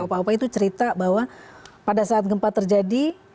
upah opa itu cerita bahwa pada saat gempa terjadi